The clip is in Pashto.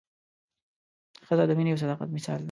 ښځه د مینې او صداقت مثال ده.